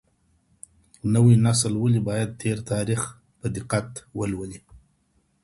نوی نسل ولې بايد تېر تاريخ په دقت ولولي؟